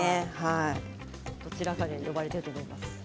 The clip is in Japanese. どちらかで呼ばれていると思います。